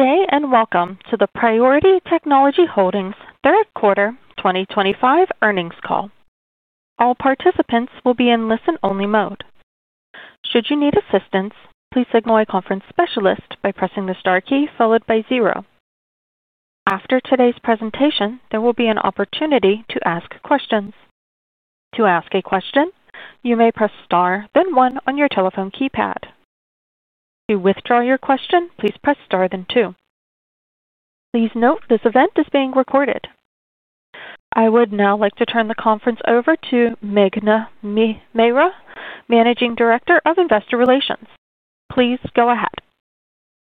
Today, and welcome to the Priority Technology Holdings Third Quarter 2025 Earnings Call. All participants will be in listen-only mode. Should you need assistance, please signal a conference specialist by pressing the star key followed by zero. After today's presentation, there will be an opportunity to ask questions. To ask a question, you may press star, then one on your telephone keypad. To withdraw your question, please press star, then two. Please note this event is being recorded. I would now like to turn the conference over to Meghna Mehra, Managing Director of Investor Relations. Please go ahead.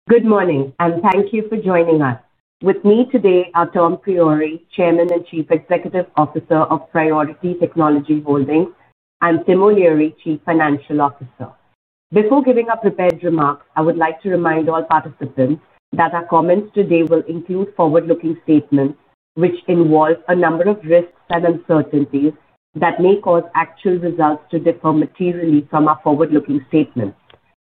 Good morning, and thank you for joining us. With me today are Tom Priore, Chairman and Chief Executive Officer of Priority Technology Holdings, and Tim O'Leary, Chief Financial Officer. Before giving our prepared remarks, I would like to remind all participants that our comments today will include forward-looking statements which involve a number of risks and uncertainties that may cause actual results to differ materially from our forward-looking statements.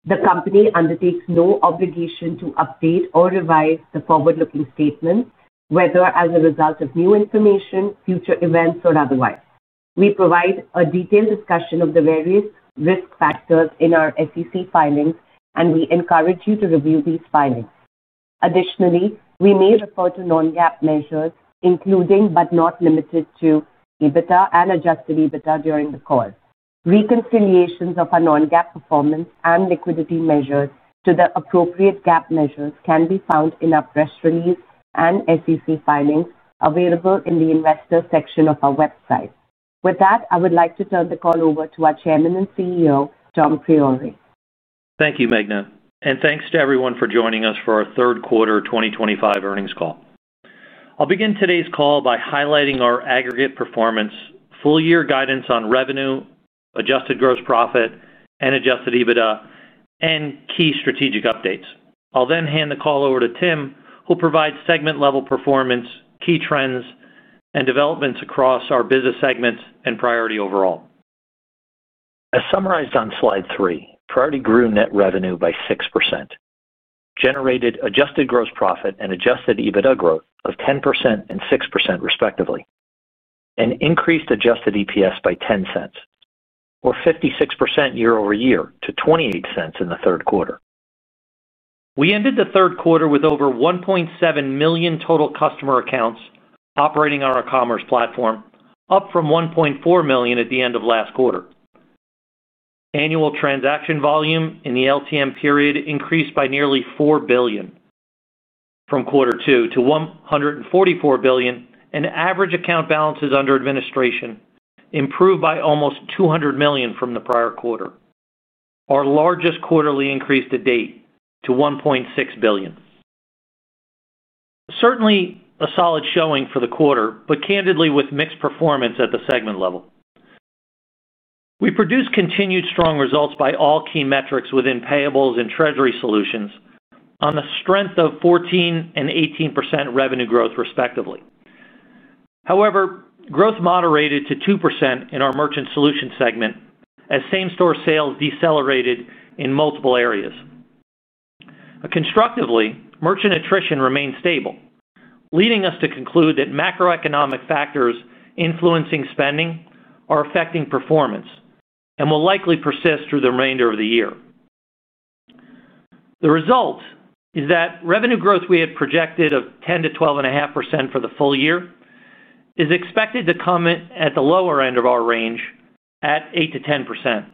The company undertakes no obligation to update or revise the forward-looking statements, whether as a result of new information, future events, or otherwise. We provide a detailed discussion of the various risk factors in our SEC filings, and we encourage you to review these filings. Additionally, we may refer to non-GAAP measures, including but not limited to EBITDA and adjusted EBITDA during the call. Reconciliations of our non-GAAP performance and liquidity measures to the appropriate GAAP measures can be found in our press release and SEC filings available in the investor section of our website. With that, I would like to turn the call over to our Chairman and CEO, Tom Priore. Thank you, Meghna, and thanks to everyone for joining us for our Third Quarter 2025 Earnings Call. I'll begin today's call by highlighting our aggregate performance, full-year guidance on revenue, adjusted gross profit, and adjusted EBITDA, and key strategic updates. I'll then hand the call over to Tim, who'll provide segment-level performance, key trends, and developments across our business segments and Priority overall. As summarized on slide three, Priority grew net revenue by 6%. Generated adjusted gross profit and adjusted EBITDA growth of 10% and 6% respectively. Increased adjusted EPS by $0.10, or 56% year-over-year to $0.28 in the third quarter. We ended the third quarter with over 1.7 million total customer accounts operating on our commerce platform, up from 1.4 million at the end of last quarter. Annual transaction volume in the LTM period increased by nearly $4 billion from quarter two to $144 billion, and average account balances under administration improved by almost $200 million from the prior quarter, our largest quarterly increase to date, to $1.6 billion. Certainly a solid showing for the quarter, but candidly with mixed performance at the segment level. We produced continued strong results by all key metrics within payables and treasury solutions on the strength of 14% and 18% revenue growth respectively. However, growth moderated to 2% in our merchant solution segment as same-store sales decelerated in multiple areas. Constructively, merchant attrition remained stable, leading us to conclude that macroeconomic factors influencing spending are affecting performance and will likely persist through the remainder of the year. The result is that revenue growth we had projected of 10-12.5% for the full year is expected to come at the lower end of our range at 8-10%.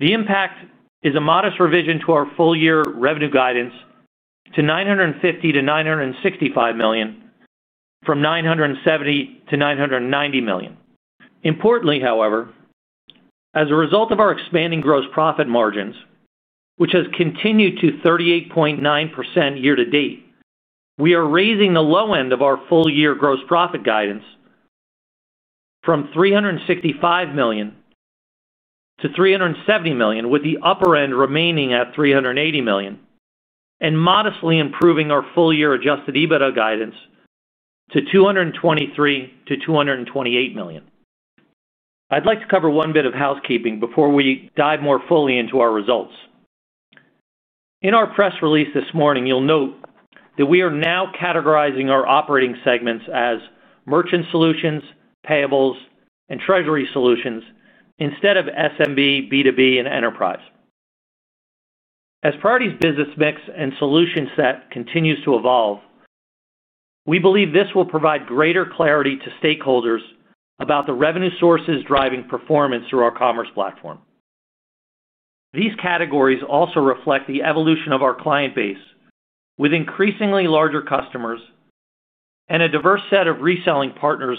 The impact is a modest revision to our full-year revenue guidance to $950 million-$965 million, from $970 million-$990 million. Importantly, however, as a result of our expanding gross profit margins, which has continued to 38.9% year to date, we are raising the low end of our full-year gross profit guidance from $365 million to $370 million, with the upper end remaining at $380 million, and modestly improving our full-year adjusted EBITDA guidance to $223 million-$228 million. I'd like to cover one bit of housekeeping before we dive more fully into our results. In our press release this morning, you'll note that we are now categorizing our operating segments as Merchant Solutions, Payables, and Treasury Solutions instead of SMB, B2B, and Enterprise. As Priority's business mix and solution set continues to evolve, we believe this will provide greater clarity to stakeholders about the revenue sources driving performance through our Commerce Platform. These categories also reflect the evolution of our client base with increasingly larger customers and a diverse set of reselling partners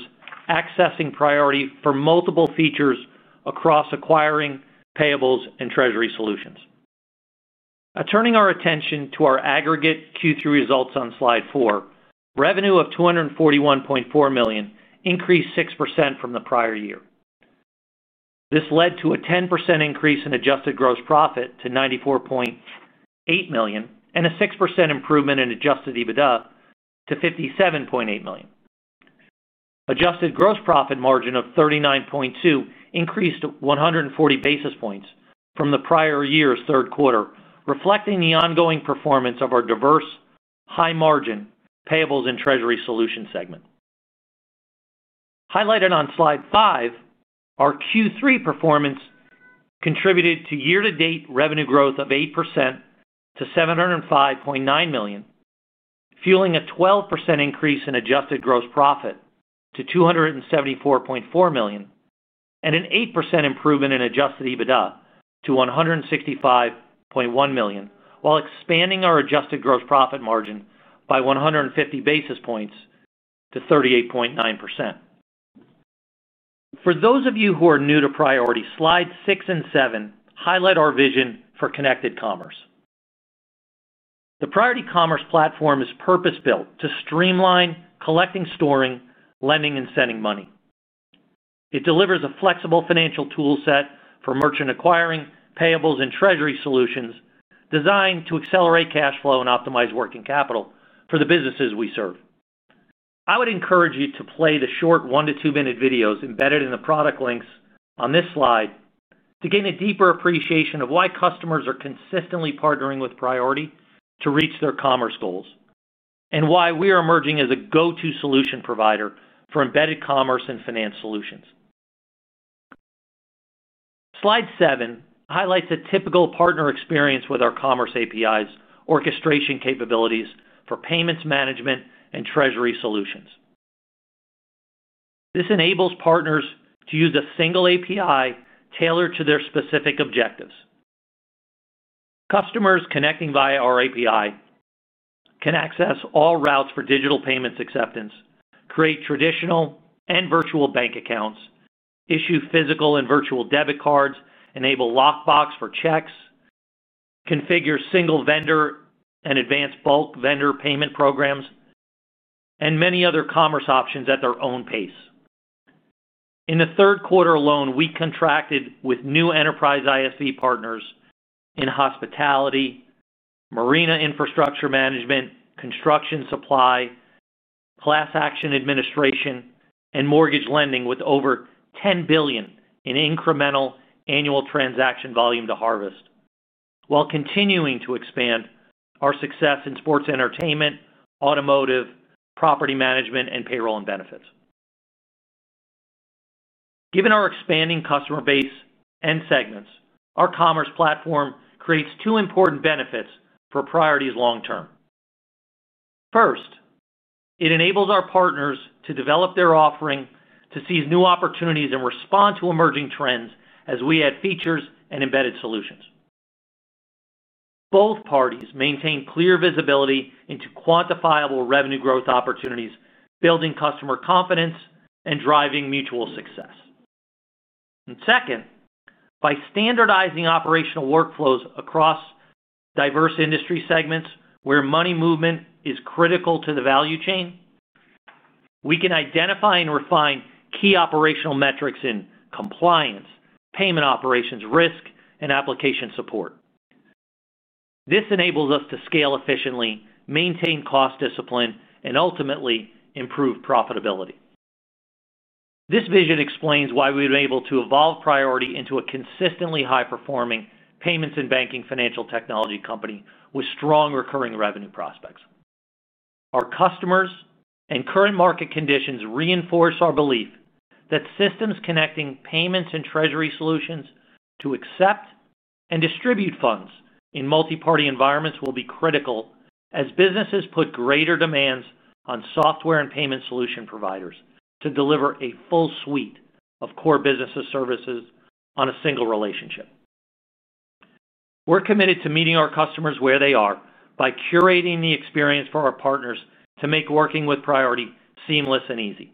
accessing Priority for multiple features across acquiring, payables, and treasury solutions. Turning our attention to our aggregate Q3 results on slide four, revenue of $241.4 million increased 6% from the prior year. This led to a 10% increase in adjusted gross profit to $94 million. $8 million and a 6% improvement in adjusted EBITDA to $57.8 million. Adjusted gross profit margin of 39.2% increased 140 basis points from the prior year's third quarter, reflecting the ongoing performance of our diverse, high-margin payables and treasury solution segment. Highlighted on slide five, our Q3 performance contributed to year-to-date revenue growth of 8% to $705.9 million, fueling a 12% increase in adjusted gross profit to $274.4 million, and an 8% improvement in adjusted EBITDA to $165.1 million, while expanding our adjusted gross profit margin by 150 basis points to 38.9%. For those of you who are new to Priority, slides six and seven highlight our vision for connected commerce. The Priority Commerce Platform is purpose-built to streamline collecting, storing, lending, and sending money. It delivers a flexible financial toolset for merchant acquiring, payables, and treasury solutions designed to accelerate cash flow and optimize working capital for the businesses we serve. I would encourage you to play the short one to two-minute videos embedded in the product links on this slide to gain a deeper appreciation of why customers are consistently partnering with Priority to reach their commerce goals, and why we are emerging as a go-to solution provider for embedded commerce and finance solutions. Slide seven highlights a typical partner experience with our commerce APIs orchestration capabilities for payments management and treasury solutions. This enables partners to use a single API tailored to their specific objectives. Customers connecting via our API can access all routes for digital payments acceptance, create traditional and virtual bank accounts, issue physical and virtual debit cards, enable lockbox for checks. Configure single vendor and advanced bulk vendor payment programs. And many other commerce options at their own pace. In the third quarter alone, we contracted with new enterprise ISV partners in hospitality, marina infrastructure management, construction supply, class action administration, and mortgage lending with over $10 billion in incremental annual transaction volume to harvest, while continuing to expand our success in sports entertainment, automotive, property management, and payroll and benefits. Given our expanding customer base and segments, our commerce platform creates two important benefits for Priority's long term. First, it enables our partners to develop their offering, to seize new opportunities, and respond to emerging trends as we add features and embedded solutions. Both parties maintain clear visibility into quantifiable revenue growth opportunities, building customer confidence and driving mutual success. And second, by standardizing operational workflows across diverse industry segments where money movement is critical to the value chain. We can identify and refine key operational metrics in compliance, payment operations, risk, and application support. This enables us to scale efficiently, maintain cost discipline, and ultimately improve profitability. This vision explains why we've been able to evolve Priority into a consistently high-performing payments and banking financial technology company with strong recurring revenue prospects. Our customers and current market conditions reinforce our belief that systems connecting payments and treasury solutions to accept and distribute funds in multi-party environments will be critical as businesses put greater demands on software and payment solution providers to deliver a full suite of core business services on a single relationship. We're committed to meeting our customers where they are by curating the experience for our partners to make working with Priority seamless and easy.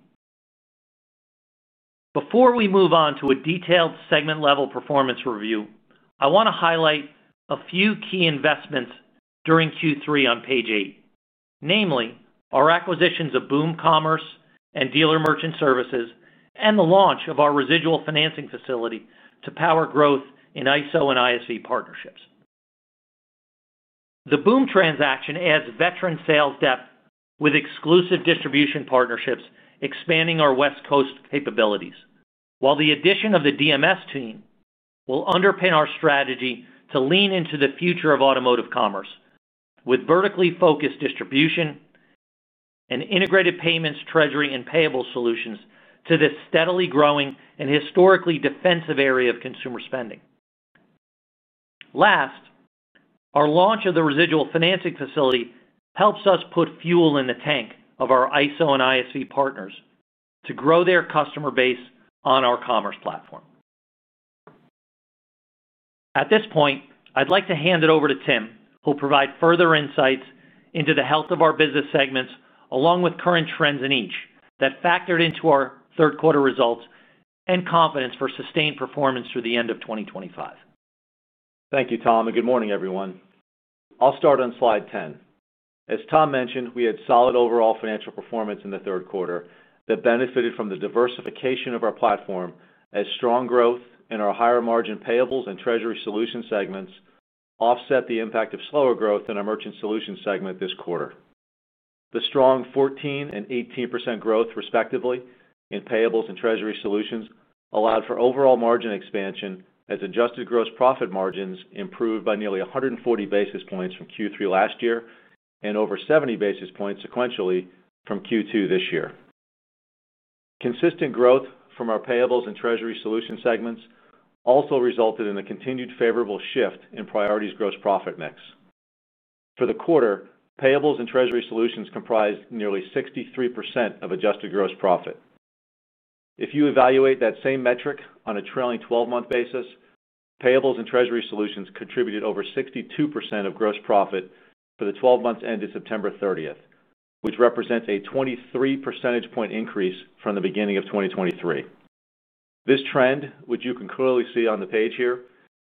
Before we move on to a detailed segment-level performance review, I want to highlight a few key investments during Q3 on page eight, namely our acquisitions of Boom Commerce and Dealer Merchant Services and the launch of our residual financing facility to power growth in ISO and ISV partnerships. The Boom transaction adds veteran sales depth with exclusive distribution partnerships, expanding our West Coast capabilities, while the addition of the DMS team will underpin our strategy to lean into the future of automotive commerce with vertically focused distribution and integrated payments, treasury, and payable solutions to this steadily growing and historically defensive area of consumer spending. Last, our launch of the residual financing facility helps us put fuel in the tank of our ISO and ISV partners to grow their customer base on our commerce platform. At this point, I'd like to hand it over to Tim, who'll provide further insights into the health of our business segments along with current trends in each that factored into our third quarter results and confidence for sustained performance through the end of 2025. Thank you, Tom, and good morning, everyone. I'll start on slide 10. As Tom mentioned, we had solid overall financial performance in the third quarter that benefited from the diversification of our platform as strong growth in our higher margin payables and treasury solution segments offset the impact of slower growth in our merchant solution segment this quarter. The strong 14% and 18% growth, respectively, in payables and treasury solutions allowed for overall margin expansion as adjusted gross profit margins improved by nearly 140 basis points from Q3 last year and over 70 basis points sequentially from Q2 this year. Consistent growth from our payables and treasury solution segments also resulted in a continued favorable shift in Priority's gross profit mix. For the quarter, payables and treasury solutions comprised nearly 63% of adjusted gross profit. If you evaluate that same metric on a trailing 12-month basis, payables and treasury solutions contributed over 62% of gross profit for the 12 months ended September 30th, which represents a 23 percentage point increase from the beginning of 2023. This trend, which you can clearly see on the page here,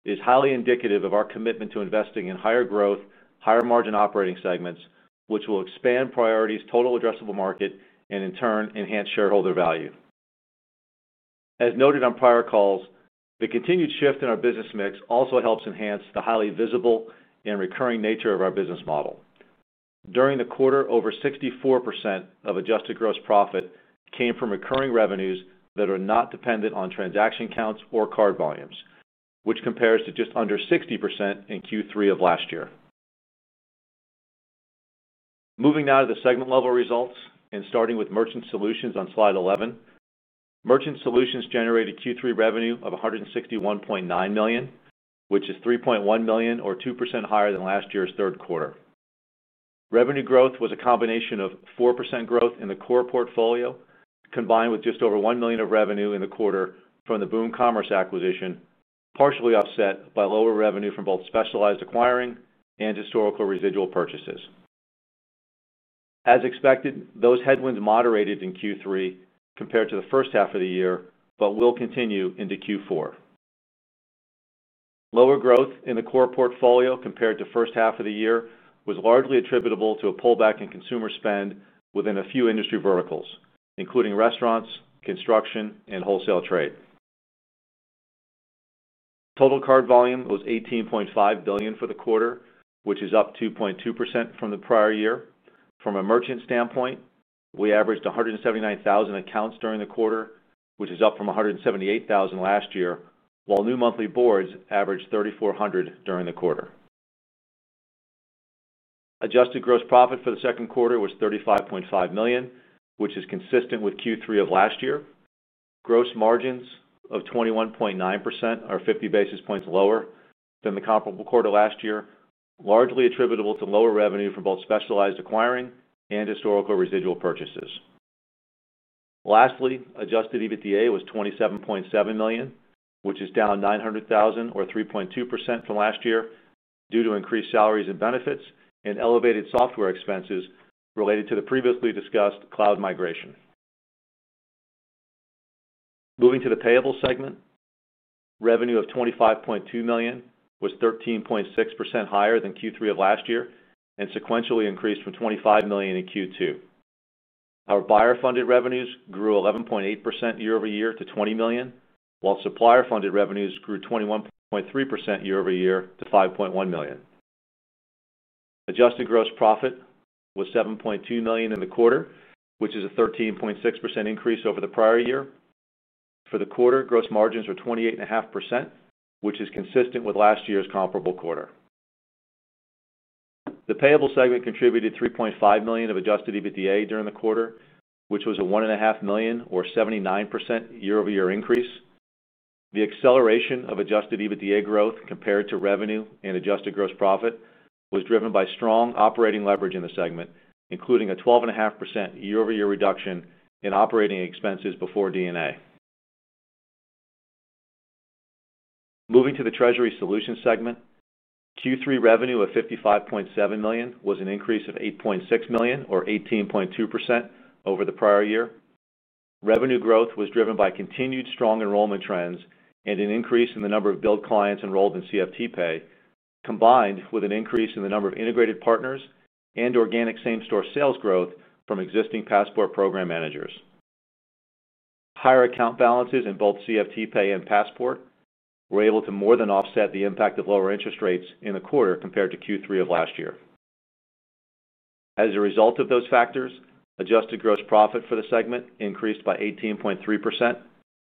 is highly indicative of our commitment to investing in higher growth, higher margin operating segments, which will expand Priority's total addressable market and, in turn, enhance shareholder value. As noted on prior calls, the continued shift in our business mix also helps enhance the highly visible and recurring nature of our business model. During the quarter, over 64% of adjusted gross profit came from recurring revenues that are not dependent on transaction counts or card volumes, which compares to just under 60% in Q3 of last year. Moving now to the segment-level results and starting with Merchant Solutions on slide 11. Merchant Solutions generated Q3 revenue of $161.9 million, which is $3.1 million or 2% higher than last year's third quarter. Revenue growth was a combination of 4% growth in the core portfolio combined with just over $1 million of revenue in the quarter from the Boom Commerce acquisition, partially offset by lower revenue from both specialized acquiring and historical residual purchases. As expected, those headwinds moderated in Q3 compared to the first half of the year but will continue into Q4. Lower growth in the core portfolio compared to the first half of the year was largely attributable to a pullback in consumer spend within a few industry verticals, including restaurants, construction, and wholesale trade. Total card volume was $18.5 billion for the quarter, which is up 2.2% from the prior year. From a merchant standpoint, we averaged 179,000 accounts during the quarter, which is up from 178,000 last year, while new monthly boards averaged 3,400 during the quarter. Adjusted gross profit for the second quarter was $35.5 million, which is consistent with Q3 of last year. Gross margins of 21.9% are 50 basis points lower than the comparable quarter last year, largely attributable to lower revenue from both specialized acquiring and historical residual purchases. Lastly, adjusted EBITDA was $27.7 million, which is down $900,000 or 3.2% from last year due to increased salaries and benefits and elevated software expenses related to the previously discussed cloud migration. Moving to the payables segment. Revenue of $25.2 million was 13.6% higher than Q3 of last year and sequentially increased from $25 million in Q2. Our buyer-funded revenues grew 11.8% year over year to $20 million, while supplier-funded revenues grew 21.3% year over year to $5.1 million. Adjusted gross profit was $7.2 million in the quarter, which is a 13.6% increase over the prior year. For the quarter, gross margins were 28.5%, which is consistent with last year's comparable quarter. The payables segment contributed $3.5 million of adjusted EBITDA during the quarter, which was a $1.5 million or 79% year over year increase. The acceleration of adjusted EBITDA growth compared to revenue and adjusted gross profit was driven by strong operating leverage in the segment, including a 12.5% year over year reduction in operating expenses before DNA. Moving to the treasury solutions segment, Q3 revenue of $55.7 million was an increase of $8.6 million or 18.2% over the prior year. Revenue growth was driven by continued strong enrollment trends and an increase in the number of billed clients enrolled in CFT Pay, combined with an increase in the number of integrated partners and organic same-store sales growth from existing Passport Program managers. Higher account balances in both CFT Pay and Passport were able to more than offset the impact of lower interest rates in the quarter compared to Q3 of last year. As a result of those factors, adjusted gross profit for the segment increased by 18.3%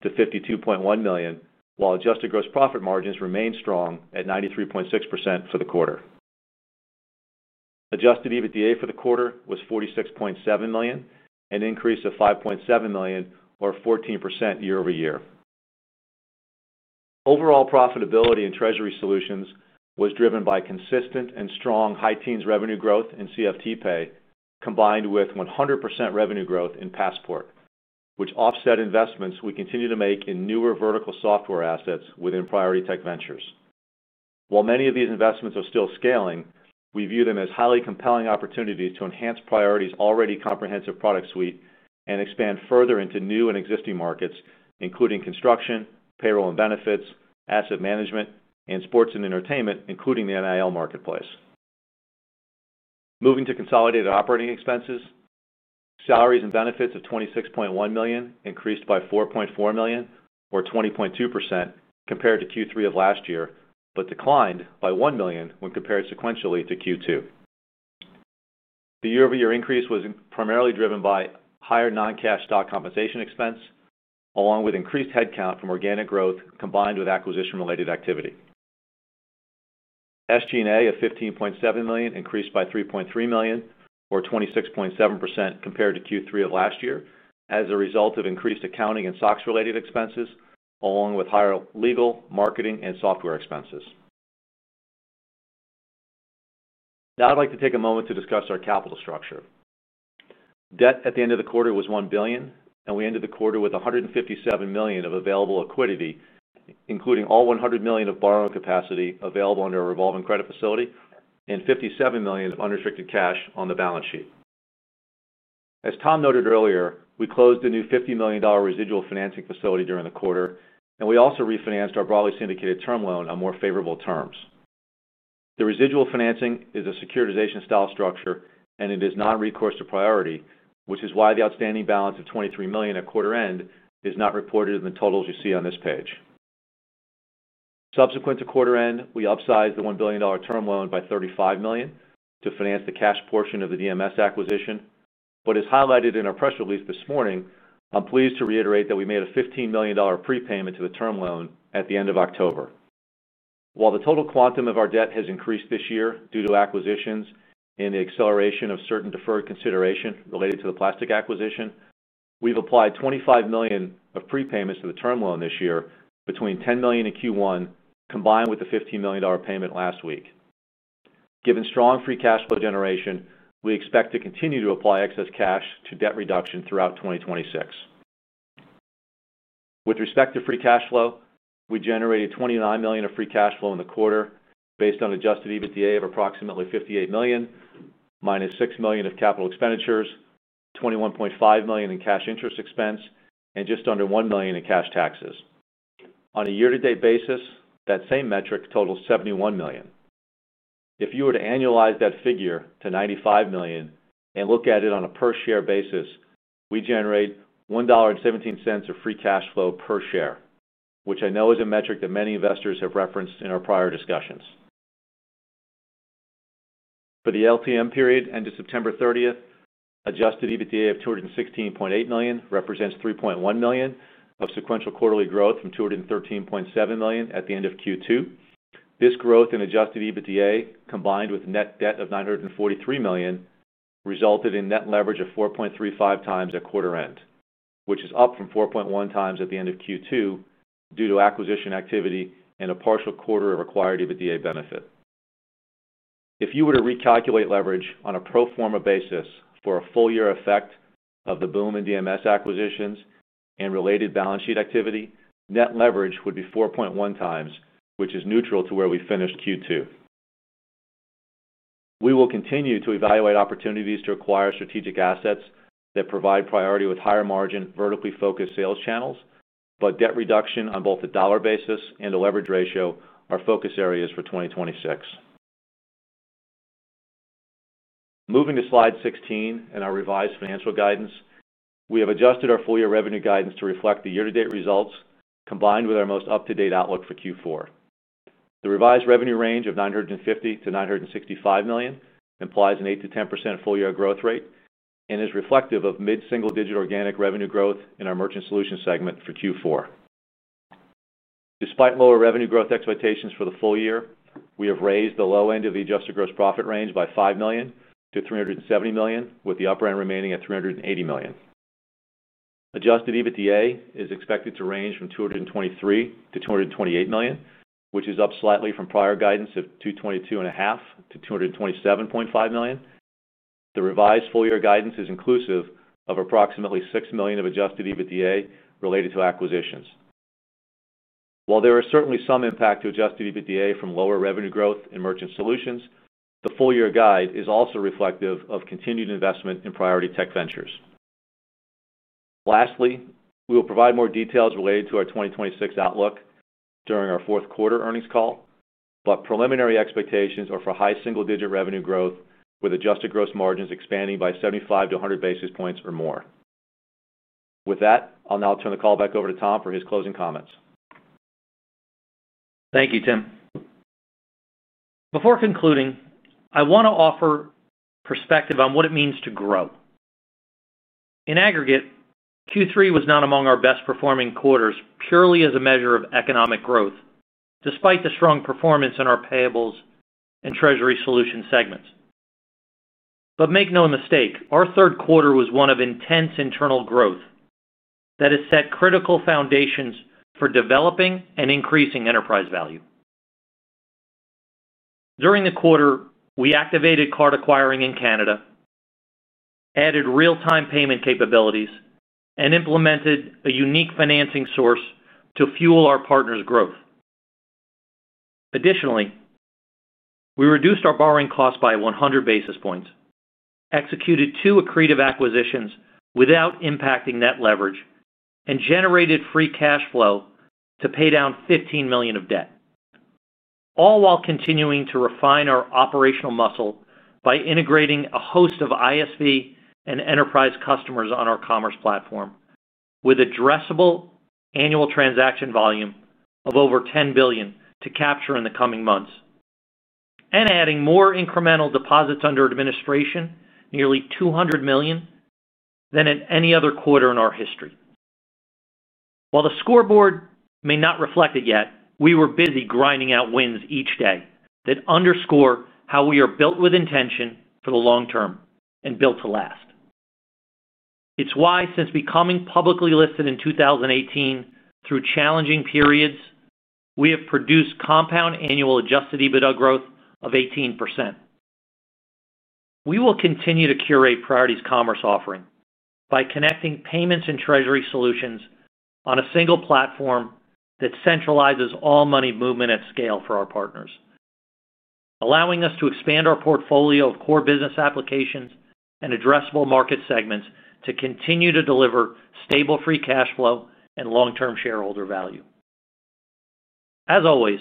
to $52.1 million, while adjusted gross profit margins remained strong at 93.6% for the quarter. Adjusted EBITDA for the quarter was $46.7 million, an increase of $5.7 million or 14% year over year. Overall profitability in Treasury Solutions was driven by consistent and strong high teens revenue growth in CFT Pay, combined with 100% revenue growth in Passport, which offset investments we continue to make in newer vertical software assets within Priority Tech Ventures. While many of these investments are still scaling, we view them as highly compelling opportunities to enhance Priority's already comprehensive product suite and expand further into new and existing markets, including construction, payroll and benefits, asset management, and sports and entertainment, including the NIL Marketplace. Moving to consolidated operating expenses. Salaries and benefits of $26.1 million increased by $4.4 million or 20.2% compared to Q3 of last year but declined by $1 million when compared sequentially to Q2. The year-over-year increase was primarily driven by higher non-cash stock compensation expense, along with increased headcount from organic growth combined with acquisition-related activity. SG&A of $15.7 million increased by $3.3 million or 26.7% compared to Q3 of last year as a result of increased accounting and SOX-related expenses, along with higher legal, marketing, and software expenses. Now I'd like to take a moment to discuss our capital structure. Debt at the end of the quarter was $1 billion, and we ended the quarter with $157 million of available equity, including all $100 million of borrowing capacity available under a revolving credit facility and $57 million of unrestricted cash on the balance sheet. As Tom noted earlier, we closed a new $50 million residual financing facility during the quarter, and we also refinanced our broadly syndicated term loan on more favorable terms. The residual financing is a securitization style structure, and it is not recourse to Priority, which is why the outstanding balance of $23 million at quarter end is not reported in the totals you see on this page. Subsequent to quarter end, we upsized the $1 billion term loan by $35 million to finance the cash portion of the DMS acquisition. As highlighted in our press release this morning, I'm pleased to reiterate that we made a $15 million prepayment to the term loan at the end of October. While the total quantum of our debt has increased this year due to acquisitions and the acceleration of certain deferred consideration related to the plastic acquisition, we've applied $25 million of prepayments to the term loan this year between $10 million in Q1 combined with the $15 million payment last week. Given strong free cash flow generation, we expect to continue to apply excess cash to debt reduction throughout 2026. With respect to free cash flow, we generated $29 million of free cash flow in the quarter based on adjusted EBITDA of approximately $58 million, minus $6 million of capital expenditures, $21.5 million in cash interest expense, and just under $1 million in cash taxes. On a year-to-date basis, that same metric totals $71 million. If you were to annualize that figure to $95 million and look at it on a per-share basis, we generate $1.17 of free cash flow per share, which I know is a metric that many investors have referenced in our prior discussions. For the LTM period ended September 30th, adjusted EBITDA of $216.8 million represents $3.1 million of sequential quarterly growth from $213.7 million at the end of Q2. This growth in adjusted EBITDA combined with net debt of $943 million resulted in net leverage of 4.35x at quarter end, which is up from 4.1x at the end of Q2 due to acquisition activity and a partial quarter of acquired EBITDA benefit. If you were to recalculate leverage on a pro forma basis for a full year effect of the Boom Commerce and Dealer Merchant Services acquisitions and related balance sheet activity, net leverage would be 4.1x, which is neutral to where we finished Q2. We will continue to evaluate opportunities to acquire strategic assets that provide Priority with higher margin vertically focused sales channels, but debt reduction on both the dollar basis and the leverage ratio are focus areas for 2026. Moving to slide 16 and our revised financial guidance, we have adjusted our full year revenue guidance to reflect the year-to-date results combined with our most up-to-date outlook for Q4. The revised revenue range of $950 million-$965 million implies an 8%-10% full year growth rate and is reflective of mid-single digit organic revenue growth in our Merchant Solutions segment for Q4. Despite lower revenue growth expectations for the full year, we have raised the low end of the adjusted gross profit range by $5 million-$370 million, with the upper end remaining at $380 million. Adjusted EBITDA is expected to range from $223 million-$228 million, which is up slightly from prior guidance of $222.5 million-$227.5 million. The revised full year guidance is inclusive of approximately $6 million of adjusted EBITDA related to acquisitions. While there is certainly some impact to adjusted EBITDA from lower revenue growth in Merchant Solutions, the full year guide is also reflective of continued investment in Priority Tech Ventures. Lastly, we will provide more details related to our 2026 outlook during our fourth quarter earnings call, but preliminary expectations are for high single digit revenue growth with adjusted gross margins expanding by 75-100 basis points or more. With that, I'll now turn the call back over to Tom for his closing comments. Thank you, Tim. Before concluding, I want to offer perspective on what it means to grow. In aggregate, Q3 was not among our best performing quarters purely as a measure of economic growth, despite the strong performance in our Payables and Treasury Solutions segments. Make no mistake, our third quarter was one of intense internal growth. That has set critical foundations for developing and increasing enterprise value. During the quarter, we activated card acquiring in Canada, added real-time payment capabilities, and implemented a unique financing source to fuel our partner's growth. Additionally, we reduced our borrowing cost by 100 basis points, executed two accretive acquisitions without impacting net leverage, and generated free cash flow to pay down $15 million of debt. All while continuing to refine our operational muscle by integrating a host of ISV and enterprise customers on our commerce platform with addressable annual transaction volume of over $10 billion to capture in the coming months, and adding more incremental deposits under administration, nearly $200 million, than in any other quarter in our history. While the scoreboard may not reflect it yet, we were busy grinding out wins each day that underscore how we are built with intention for the long term and built to last. It's why, since becoming publicly listed in 2018 through challenging periods, we have produced compound annual adjusted EBITDA growth of 18%. We will continue to curate Priority's commerce offering by connecting payments and treasury solutions on a single platform that centralizes all money movement at scale for our partners. Allowing us to expand our portfolio of core business applications and addressable market segments to continue to deliver stable free cash flow and long-term shareholder value. As always,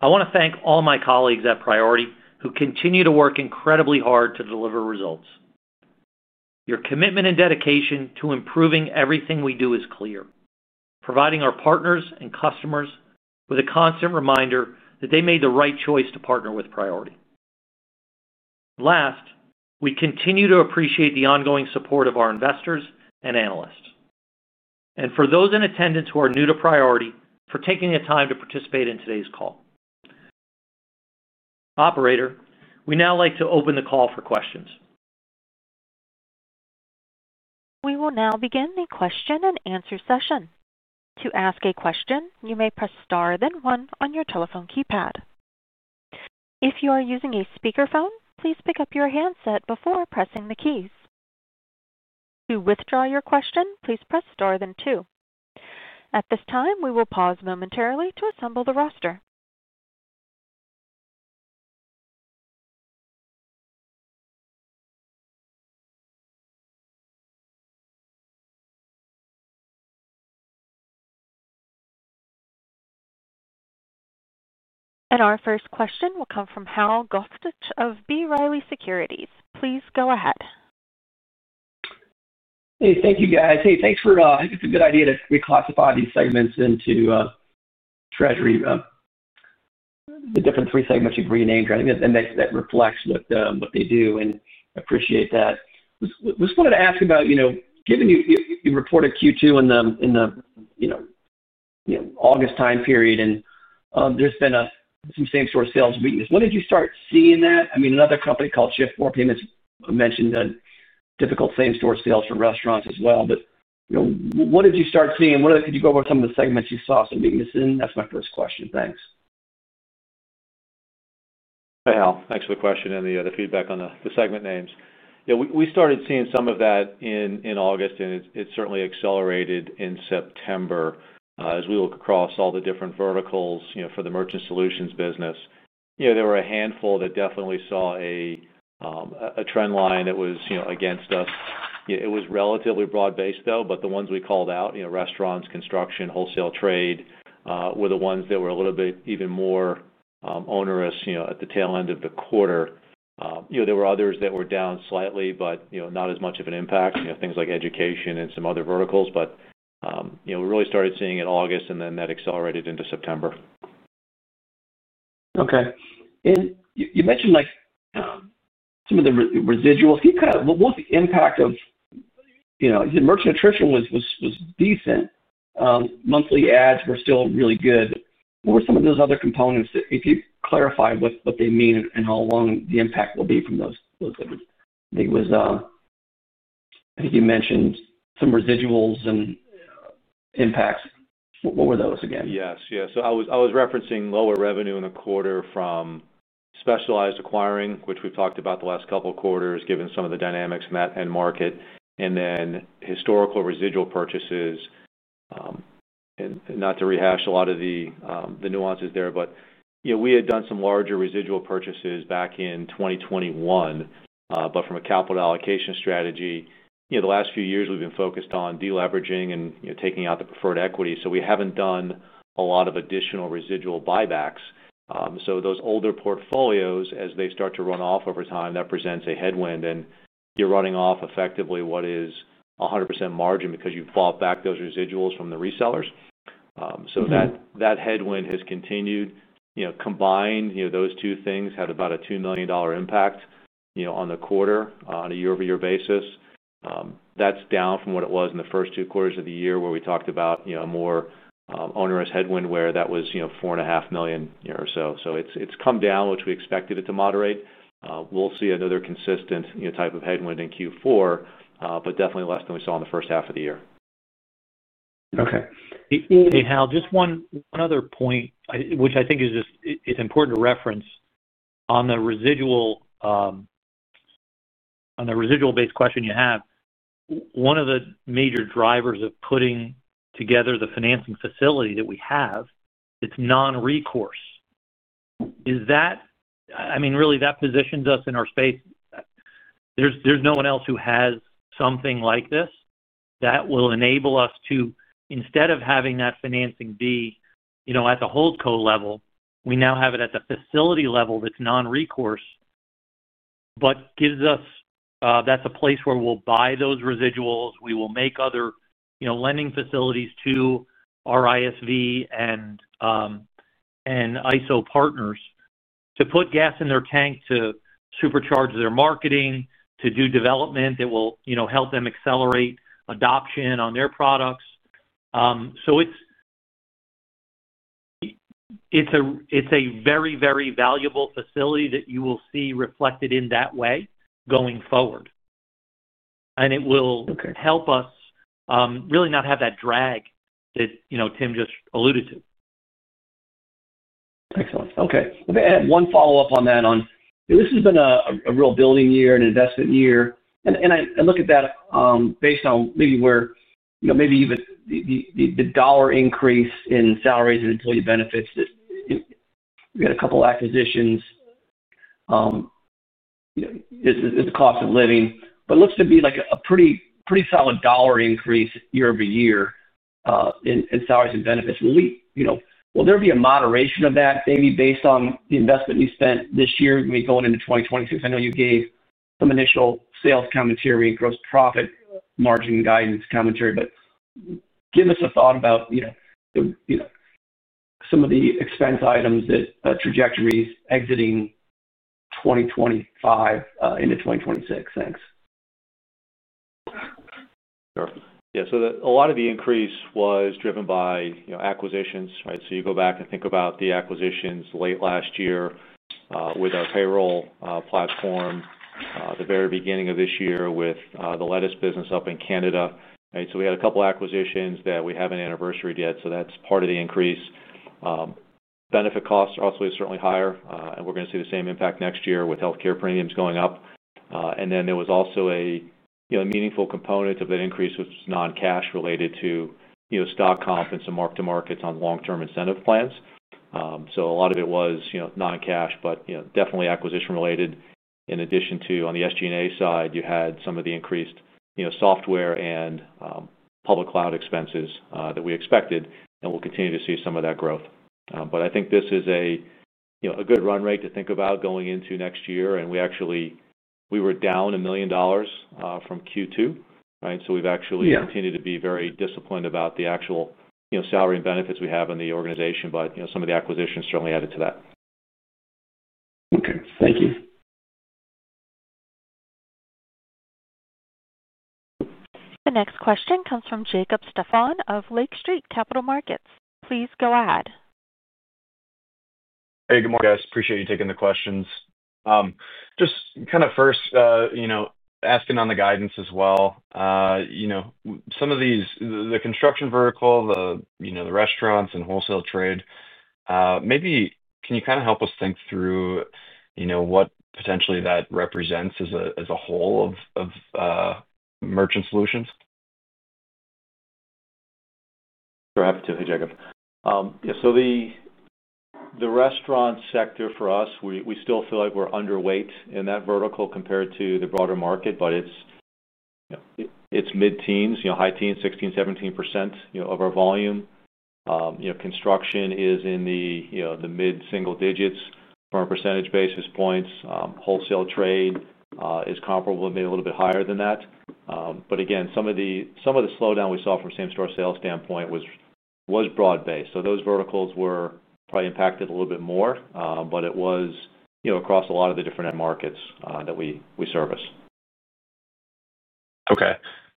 I want to thank all my colleagues at Priority who continue to work incredibly hard to deliver results. Your commitment and dedication to improving everything we do is clear, providing our partners and customers with a constant reminder that they made the right choice to partner with Priority. Last, we continue to appreciate the ongoing support of our investors and analysts. For those in attendance who are new to Priority, thank you for taking the time to participate in today's call. Operator, we would now like to open the call for questions. We will now begin the question and answer session. To ask a question, you may press star then one on your telephone keypad. If you are using a speakerphone, please pick up your handset before pressing the keys. To withdraw your question, please press star then two. At this time, we will pause momentarily to assemble the roster. Our first question will come from Hal Goetsch of B. Riley Securities. Please go ahead. Hey, thank you, guys. Hey, thanks for, it's a good idea to reclassify these segments into, treasury. The different three segments you've renamed, right? I mean, that reflects what they do, and I appreciate that. Was, was wanted to ask about, you know, given you reported Q2 in the, you know, August time period, and there's been some same-store sales weakness. When did you start seeing that? I mean, another company called Shift4 Payments mentioned a difficult same-store sales for restaurants as well, but, you know, when did you start seeing? Could you go over some of the segments you saw some weakness in? That's my first question. Thanks. Hey, Hal. Thanks for the question and the feedback on the segment names. Yeah, we started seeing some of that in August, and it certainly accelerated in September. As we look across all the different verticals, you know, for the Merchant Solutions business, you know, there were a handful that definitely saw a trend line that was, you know, against us. It was relatively broad-based, though, but the ones we called out, you know, restaurants, construction, wholesale trade, were the ones that were a little bit even more onerous, you know, at the tail end of the quarter. You know, there were others that were down slightly, but, you know, not as much of an impact, you know, things like education and some other verticals. You know, we really started seeing it in August, and then that accelerated into September. Okay. And you mentioned, like, some of the residual. Can you kind of—what was the impact of. You know, you said merchant attrition was decent. Monthly ads were still really good. What were some of those other components that—if you clarify what they mean and how long the impact will be from those—I think it was, I think you mentioned some residuals and impacts. What were those again? Yes. Yeah. I was referencing lower revenue in the quarter from specialized acquiring, which we've talked about the last couple of quarters given some of the dynamics in that end market, and then historical residual purchases. Not to rehash a lot of the nuances there, but, you know, we had done some larger residual purchases back in 2021. From a capital allocation strategy, the last few years we've been focused on deleveraging and taking out the preferred equity. We haven't done a lot of additional residual buybacks. Those older portfolios, as they start to run off over time, that presents a headwind, and you're running off effectively what is 100% margin because you've bought back those residuals from the resellers. That headwind has continued. You know, combined, you know, those two things had about a $2 million impact, you know, on the quarter, on a year-over-year basis. That's down from what it was in the first two quarters of the year where we talked about, you know, a more onerous headwind where that was, you know, $4.5 million, you know, or so. It's come down, which we expected it to moderate. We'll see another consistent, you know, type of headwind in Q4, but definitely less than we saw in the first half of the year. Okay. Hey, Hal, just one other point, which I think is important to reference on the residual. On the residual-based question you have, one of the major drivers of putting together the financing facility that we have, it's non-recourse. I mean, really, that positions us in our space. There's no one else who has something like this that will enable us to, instead of having that financing be, you know, at the hold co level, we now have it at the facility level that's non-recourse. That gives us, that's a place where we'll buy those residuals. We will make other, you know, lending facilities to our ISV and ISO partners to put gas in their tank to supercharge their marketing, to do development that will, you know, help them accelerate adoption on their products. It's a very, very valuable facility that you will see reflected in that way going forward. It will help us really not have that drag that, you know, Tim just alluded to. Excellent. Okay. Let me add one follow-up on that. You know, this has been a real building year, an investment year. I look at that based on maybe where, you know, maybe even the dollar increase in salaries and employee benefits that, you know, we had a couple of acquisitions. You know, is the cost of living, but it looks to be like a pretty, pretty solid dollar increase year over year in salaries and benefits. Will we, you know, will there be a moderation of that maybe based on the investment you spent this year going into 2026? I know you gave some initial sales commentary and gross profit margin guidance commentary, but give us a thought about, you know, the, you know, some of the expense items that, trajectories exiting 2025, into 2026. Thanks. Sure. Yeah. So the, a lot of the increase was driven by, you know, acquisitions, right? So you go back and think about the acquisitions late last year, with our payroll platform, the very beginning of this year with the lettuce business up in Canada, right? So we had a couple of acquisitions that we haven't anniversaried yet. So that's part of the increase. Benefit costs are also certainly higher, and we're gonna see the same impact next year with healthcare premiums going up. And then there was also a, you know, a meaningful component of that increase was non-cash related to, you know, stock comp and some mark-to-markets on long-term incentive plans. So a lot of it was, you know, non-cash, but, you know, definitely acquisition related. In addition to on the SG&A side, you had some of the increased, you know, software and public cloud expenses that we expected and will continue to see some of that growth. I think this is a, you know, a good run rate to think about going into next year. We actually, we were down $1 million from Q2, right? We have actually continued to be very disciplined about the actual, you know, salary and benefits we have in the organization, but, you know, some of the acquisitions certainly added to that. Okay. Thank you. The next question comes from Jacob Stephan of Lake Street Capital Markets. Please go ahead. Hey, good morning, guys. Appreciate you taking the questions. Just kind of first, you know, asking on the guidance as well. You know, some of these, the construction vertical, the, you know, the restaurants and wholesale trade, maybe can you kind of help us think through. You know, what potentially that represents as a whole of merchant solutions? Sure. Happy to. Hey, Jacob. Yeah. So the restaurant sector for us, we still feel like we're underweight in that vertical compared to the broader market, but it's, you know, it's mid-teens, you know, high teens, 16-17% of our volume. You know, construction is in the mid-single digits from a percentage basis points. Wholesale trade is comparable, maybe a little bit higher than that. But again, some of the slowdown we saw from same-store sales standpoint was broad-based. Those verticals were probably impacted a little bit more, but it was, you know, across a lot of the different end markets that we service. Okay.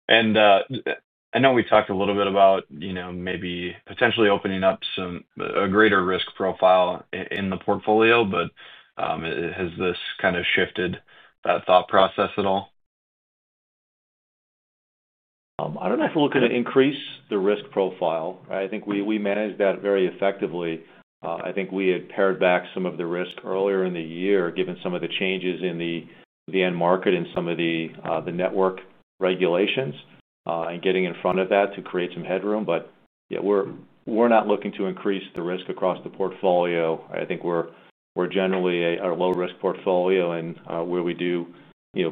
I know we talked a little bit about, you know, maybe potentially opening up some, a greater risk profile in the portfolio, but has this kind of shifted that thought process at all? I do not know if we are looking to increase the risk profile, right? I think we manage that very effectively. I think we had pared back some of the risk earlier in the year given some of the changes in the end market and some of the network regulations, and getting in front of that to create some headroom. Yeah, we are not looking to increase the risk across the portfolio. I think we're generally a low-risk portfolio and, where we do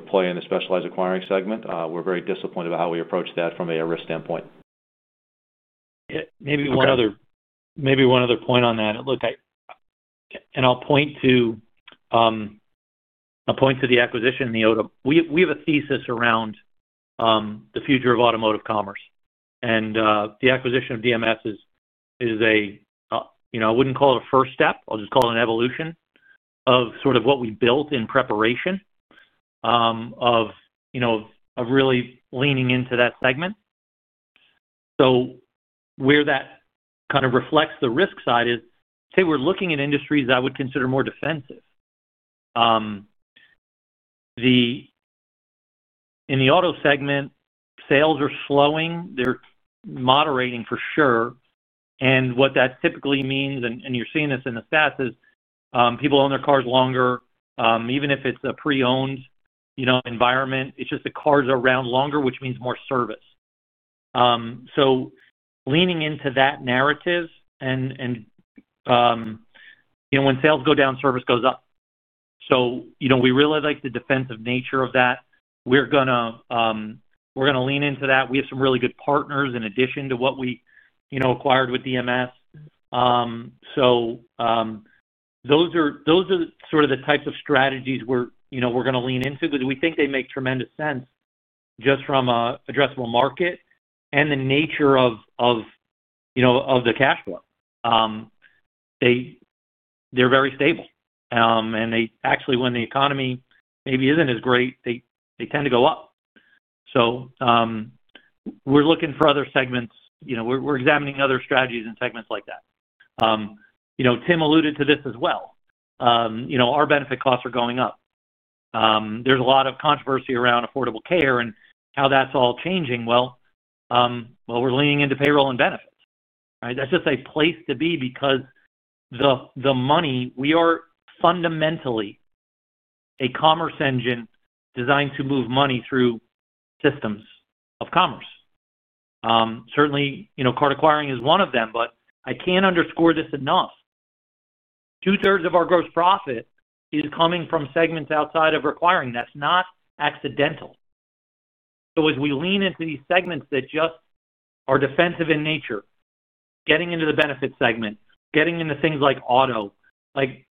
play in the specialized acquiring segment, we're very disciplined about how we approach that from a risk standpoint. Yeah. Maybe one other, maybe one other point on that. Look, I, and I'll point to. I'll point to the acquisition in the auto. We have a thesis around the future of automotive commerce. And, the acquisition of DMS is, you know, I wouldn't call it a first step. I'll just call it an evolution of sort of what we built in preparation of, you know, of really leaning into that segment. Where that kind of reflects the risk side is, say we're looking at industries I would consider more defensive. In the auto segment, sales are slowing. They're moderating for sure. What that typically means, and you're seeing this in the stats, is people own their cars longer. Even if it's a pre-owned, you know, environment, it's just the cars are around longer, which means more service. Leaning into that narrative, and, you know, when sales go down, service goes up. You know, we really like the defensive nature of that. We're gonna lean into that. We have some really good partners in addition to what we, you know, acquired with DMS. Those are sort of the types of strategies we're, you know, we're gonna lean into because we think they make tremendous sense just from an addressable market and the nature of, you know, the cash flow. They're very stable, and they actually, when the economy maybe isn't as great, they tend to go up. We're looking for other segments, you know, we're examining other strategies and segments like that. You know, Tim alluded to this as well. You know, our benefit costs are going up. There's a lot of controversy around affordable care and how that's all changing. We're leaning into payroll and benefits, right? That's just a place to be because the money, we are fundamentally a commerce engine designed to move money through systems of commerce. Certainly, you know, card acquiring is one of them, but I can't underscore this enough. 2/3 of our gross profit is coming from segments outside of acquiring. That's not accidental. As we lean into these segments that just are defensive in nature, getting into the benefit segment, getting into things like auto, like,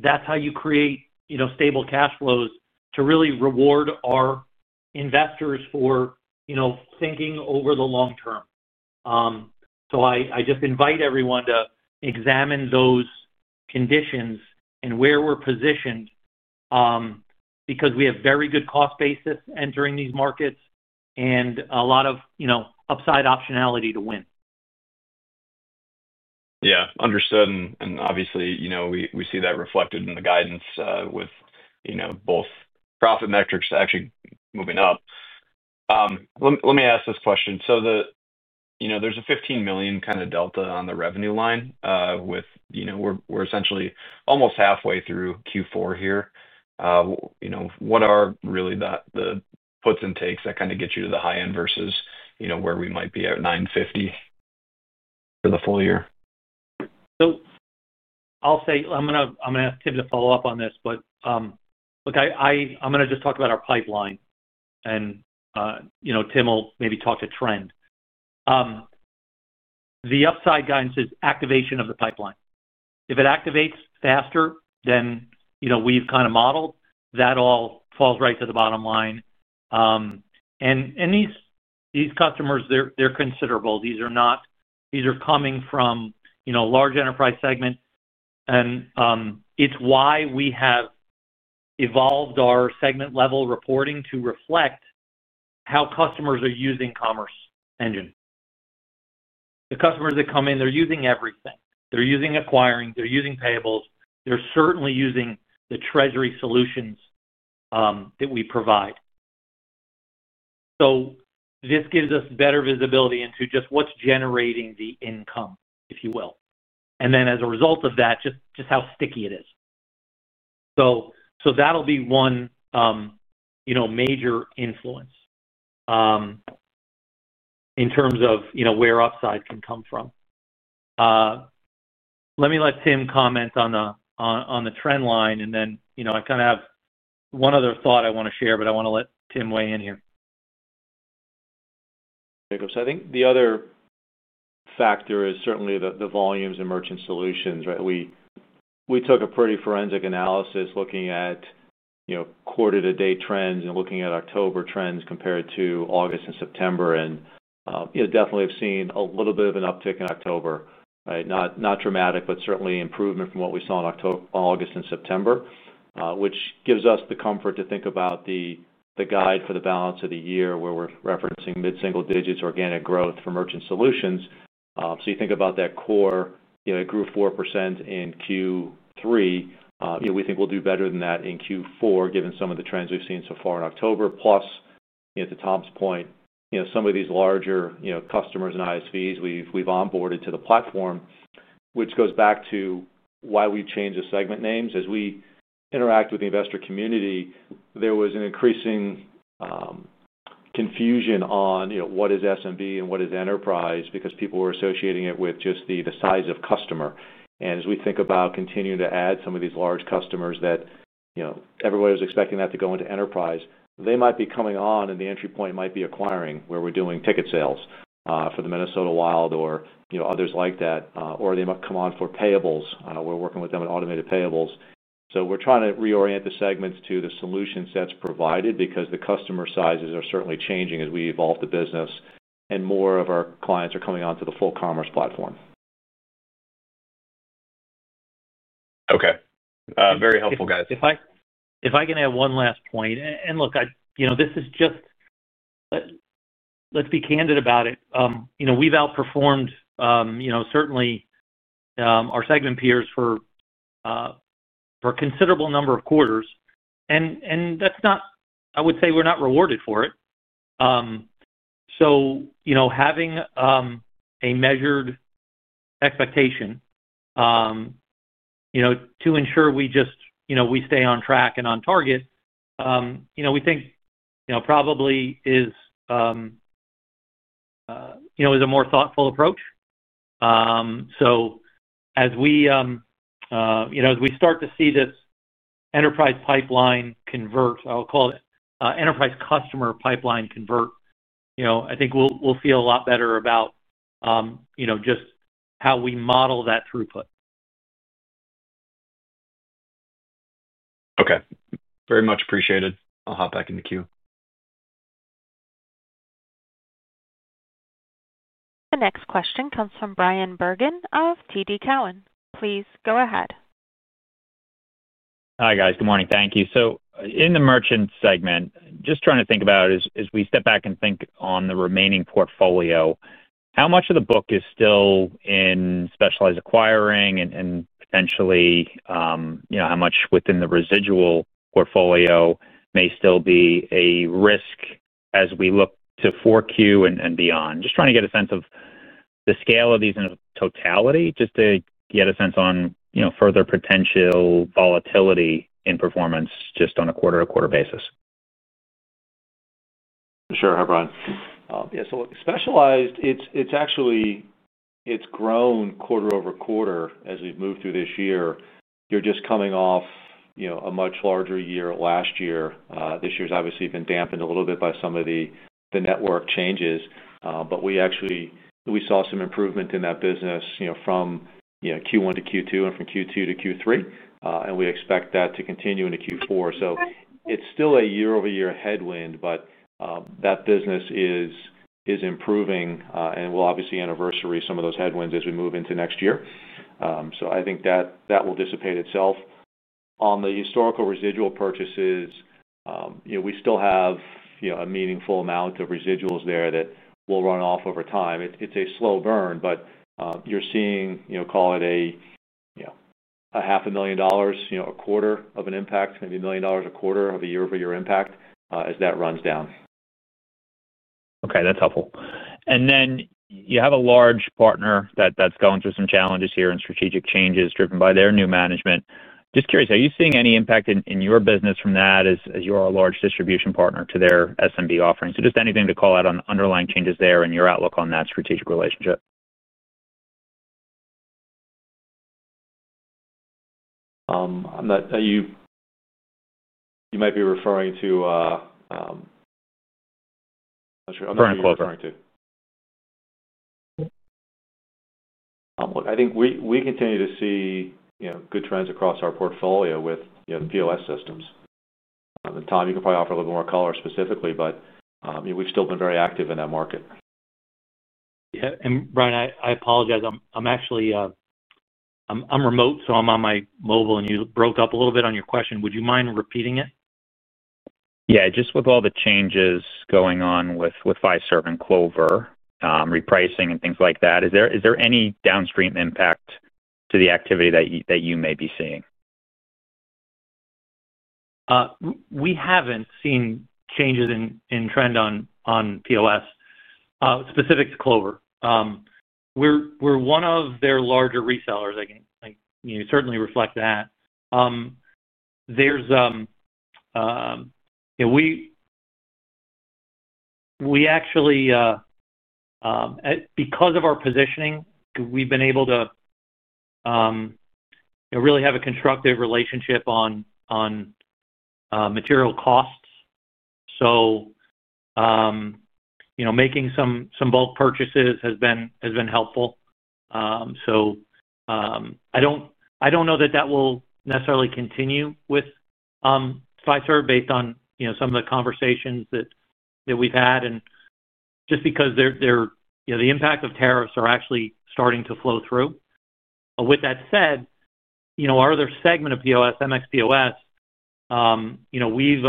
that's how you create, you know, stable cash flows to really reward our investors for, you know, thinking over the long term. I just invite everyone to examine those conditions and where we're positioned, because we have very good cost basis entering these markets and a lot of, you know, upside optionality to win. Yeah. Understood. Obviously, you know, we see that reflected in the guidance, with, you know, both profit metrics actually moving up. Let me ask this question. The, you know, there's a $15 million kind of delta on the revenue line, with, you know, we're essentially almost halfway through Q4 here. You know, what are really the, the puts and takes that kind of get you to the high end versus, you know, where we might be at $950 million for the full year? I'll say, I'm gonna, I'm gonna ask Tim to follow up on this, but, look, I, I, I'm gonna just talk about our pipeline and, you know, Tim will maybe talk to trend. The upside guidance is activation of the pipeline. If it activates faster than, you know, we've kind of modeled, that all falls right to the bottom line. And these, these customers, they're, they're considerable. These are not, these are coming from, you know, large enterprise segment. It's why we have evolved our segment-level reporting to reflect how customers are using commerce engine. The customers that come in, they're using everything. They're using acquiring. They're using payables. They're certainly using the treasury solutions that we provide. This gives us better visibility into just what's generating the income, if you will. As a result of that, just how sticky it is. That will be one major influence in terms of where upside can come from. Let me let Tim comment on the trend line. I kind of have one other thought I want to share, but I want to let Tim weigh in here. Jacob, I think the other factor is certainly the volumes in merchant solutions, right? We took a pretty forensic analysis looking at quarter-to-date trends and looking at October trends compared to August and September. We definitely have seen a little bit of an uptick in October, right. Not dramatic, but certainly improvement from what we saw in October, August, and September, which gives us the comfort to think about the guide for the balance of the year where we're referencing mid-single digits organic growth for Merchant Solutions. You think about that core, you know, it grew 4% in Q3. You know, we think we'll do better than that in Q4 given some of the trends we've seen so far in October. Plus, you know, to Tom's point, you know, some of these larger customers and ISVs we've onboarded to the platform. Which goes back to why we changed the segment names. As we interact with the investor community, there was an increasing confusion on, you know, what is SMB and what is enterprise because people were associating it with just the size of customer. As we think about continuing to add some of these large customers that, you know, everybody was expecting that to go into enterprise, they might be coming on and the entry point might be acquiring where we're doing ticket sales for the Minnesota Wild or, you know, others like that, or they might come on for payables. We're working with them on automated payables. We are trying to reorient the segments to the solutions that's provided because the customer sizes are certainly changing as we evolve the business and more of our clients are coming onto the full commerce platform. Okay. Very helpful, guys. If I can add one last point, and, and look, I, you know, this is just. Let's be candid about it. You know, we've outperformed, you know, certainly our segment peers for a considerable number of quarters. That's not, I would say we're not rewarded for it. You know, having a measured expectation, you know, to ensure we just, you know, we stay on track and on target, you know, we think, you know, probably is, you know, is a more thoughtful approach. As we, you know, as we start to see this enterprise pipeline convert, I'll call it, enterprise customer pipeline convert, you know, I think we'll feel a lot better about, you know, just how we model that throughput. Okay. Very much appreciated. I'll hop back in the queue. The next question comes from Brian Bergen of TD Cowen. Please go ahead. Hi, guys. Good morning. Thank you. In the merchant segment, just trying to think about as we step back and think on the remaining portfolio, how much of the book is still in specialized acquiring and potentially, you know, how much within the residual portfolio may still be a risk as we look to Q4 and beyond? Just trying to get a sense of the scale of these in totality just to get a sense on, you know, further potential volatility in performance just on a quarter-to-quarter basis. Sure. Hi, Brian. Yeah. So specialized, it is actually, it has grown quarter over quarter as we have moved through this year. You are just coming off, you know, a much larger year last year. This year has obviously been dampened a little bit by some of the network changes. but we actually, we saw some improvement in that business, you know, from Q1-Q2 and from Q2-Q3. We expect that to continue into Q4. It is still a year-over-year headwind, but that business is improving. We will obviously anniversary some of those headwinds as we move into next year. I think that will dissipate itself. On the historical residual purchases, we still have a meaningful amount of residuals there that will run off over time. It is a slow burn, but you are seeing, call it, you know, $500,000 a quarter of an impact, maybe $1,000,000 a quarter of a year-over-year impact, as that runs down. Okay. That is helpful. You have a large partner that is going through some challenges here and strategic changes driven by their new management. Just curious, are you seeing any impact in your business from that as you are a large distribution partner to their SMB offering? Just anything to call out on underlying changes there and your outlook on that strategic relationship. I'm not, are you. You might be referring to, I'm not sure. I'm not sure what you're referring to. I think we continue to see, you know, good trends across our portfolio with, you know, the POS systems. Tom, you can probably offer a little bit more color specifically, but, you know, we've still been very active in that market. Yeah. And Brian, I apologize. I'm actually remote, so I'm on my mobile, and you broke up a little bit on your question. Would you mind repeating it? Yeah. Just with all the changes going on with Fiserv and Clover, repricing and things like that, is there any downstream impact to the activity that you may be seeing? We haven't seen changes in trend on POS, specific to Clover. We're one of their larger resellers. I can certainly reflect that. There's, you know, we actually, because of our positioning, we've been able to really have a constructive relationship on material costs. So, you know, making some bulk purchases has been helpful. So, I don't, I don't know that that will necessarily continue with Fiserv based on, you know, some of the conversations that we've had. Just because they're, you know, the impact of tariffs are actually starting to flow through. With that said, you know, our other segment of POS, MX POS, you know, we've,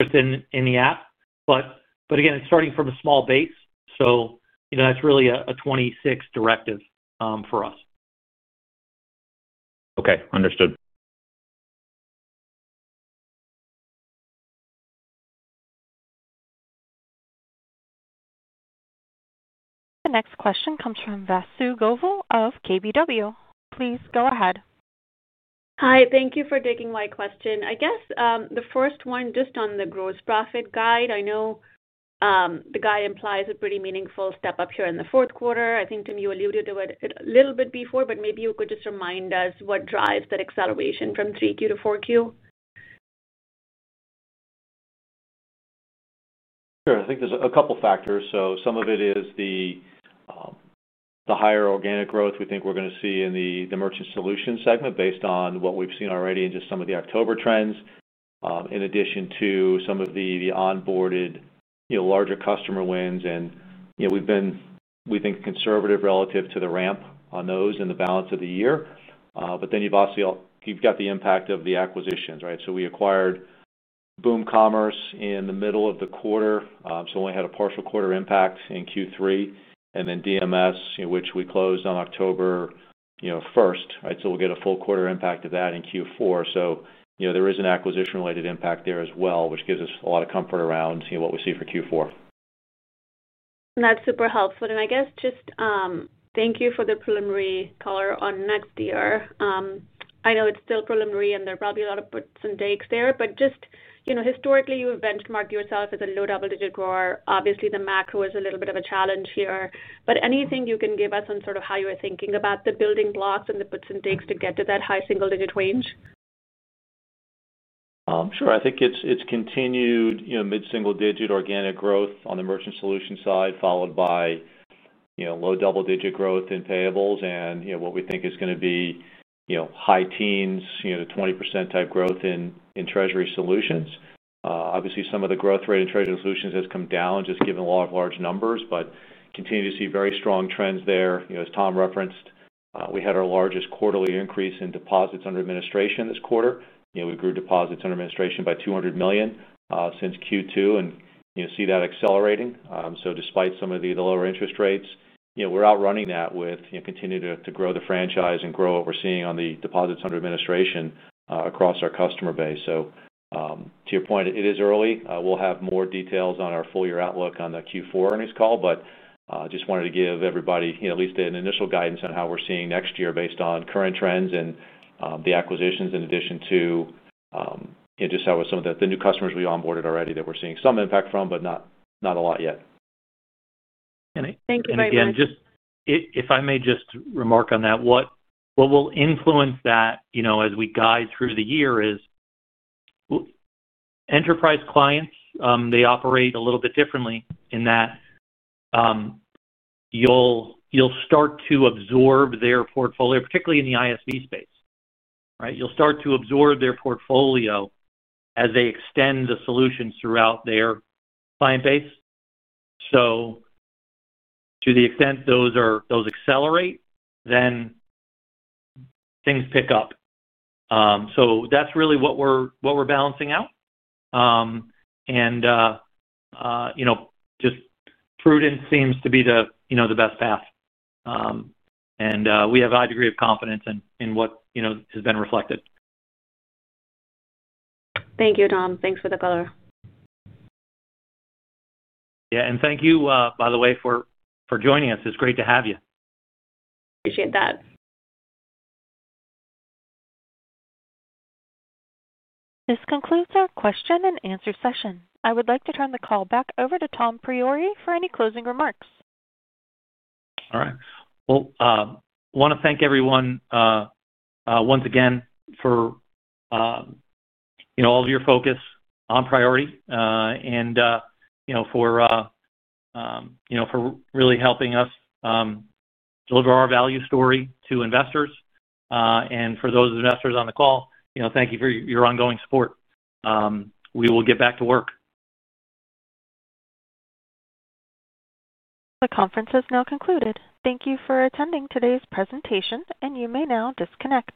just in, in the app. But again, it's starting from a small base. You know, that's really a 2026 directive for us. Okay. Understood. The next question comes from Vasu Govil of KBW. Please go ahead. Hi. Thank you for taking my question. I guess, the first one just on the gross profit guide, I know, the guide implies a pretty meaningful step up here in the fourth quarter. I think Tim, you alluded to it a little bit before, but maybe you could just remind us what drives that acceleration from Q3-Q4. Sure. I think there's a couple factors. Some of it is the higher organic growth we think we're gonna see in the merchant solution segment based on what we've seen already in just some of the October trends, in addition to some of the onboarded, you know, larger customer wins. And, you know, we've been, we think, conservative relative to the ramp on those in the balance of the year. You have obviously, you've got the impact of the acquisitions, right? We acquired Boom Commerce in the middle of the quarter, so only had a partial quarter impact in Q3. And then DMS, you know, which we closed on October 1, right? We'll get a full quarter impact of that in Q4. You know, there is an acquisition-related impact there as well, which gives us a lot of comfort around, you know, what we see for Q4. That's super helpful. I guess just, thank you for the preliminary color on next year. I know it's still preliminary, and there'll probably be a lot of puts and takes there. Just, you know, historically, you've benchmarked yourself as a low double-digit grower. Obviously, the macro is a little bit of a challenge here. Anything you can give us on sort of how you're thinking about the building blocks and the puts and takes to get to that high single-digit range? Sure. I think it's continued, you know, mid-single-digit organic growth on the merchant solution side, followed by. You know, low double-digit growth in payables and, you know, what we think is gonna be, you know, high teens, you know, 20% type growth in, in treasury solutions. Obviously, some of the growth rate in treasury solutions has come down just given a lot of large numbers, but continue to see very strong trends there. You know, as Tom referenced, we had our largest quarterly increase in deposits under administration this quarter. You know, we grew deposits under administration by $200 million since Q2 and, you know, see that accelerating. So despite some of the lower interest rates, you know, we're outrunning that with, you know, continue to, to grow the franchise and grow what we're seeing on the deposits under administration, across our customer base. So, to your point, it is early. We'll have more details on our full year outlook on the Q4 earnings call, but just wanted to give everybody, you know, at least an initial guidance on how we're seeing next year based on current trends and the acquisitions in addition to, you know, just how some of the new customers we onboarded already that we're seeing some impact from, but not a lot yet. Thank you very much. Again, just if I may just remark on that, what will influence that, you know, as we guide through the year is enterprise clients. They operate a little bit differently in that you'll start to absorb their portfolio, particularly in the ISV space, right? You'll start to absorb their portfolio as they extend the solutions throughout their client base. To the extent those accelerate, then things pick up. So that's really what we're balancing out. And, you know, just prudence seems to be the best path. And we have a high degree of confidence in what, you know, has been reflected. Thank you, Tom. Thanks for the color. Yeah. And thank you, by the way, for joining us. It's great to have you. Appreciate that. This concludes our question and answer session. I would like to turn the call back over to Tom Priore for any closing remarks. All right. I want to thank everyone, once again, for, you know, all of your focus on Priority, and, you know, for really helping us deliver our value story to investors. And for those investors on the call, you know, thank you for your ongoing support. We will get back to work. The conference is now concluded. Thank you for attending today's presentation, and you may now disconnect.